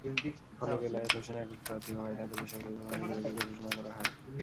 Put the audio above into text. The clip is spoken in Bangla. ফলে, বেলায়েত হোসেন একক প্রার্থী হওয়ায় তাঁকে বেসরকারিভাবে নির্বাচিত ঘোষণা করা হয়।